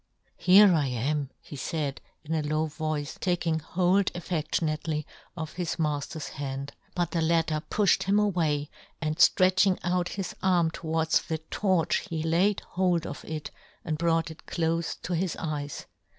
" Here I " am," he faid, in a low voice, tak ing hold affedtionately of his mafter's hand ; but the latter pufhed him away, and ftretching out his arm to wards the torch he laid hold of it, and brought it clofe to his eyes.